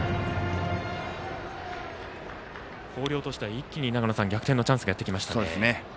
広陵としては一気に逆転のチャンスがやってきましたね。